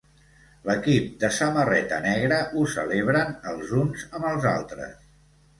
L'equip de samarreta negra ho celebren els uns amb els altres.